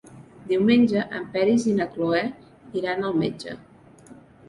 Diumenge en Peris i na Cloè iran al metge.